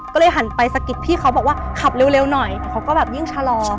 ก็เลยหันไปสะกิดพี่เขาบอกว่าขับเร็วหน่อยแต่เขาก็แบบยิ่งชะลอ